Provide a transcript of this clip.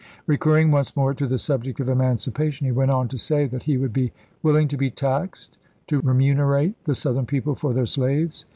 Recurring once more to the subject of emancipa tion, " he went on to say that he would be willing to be taxed to remunerate the Southern people for their slaves.